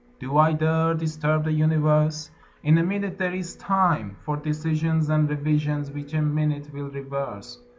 "] Do I dare Disturb the universe? In a minute there is time For decisions and revisions which a minute will reverse.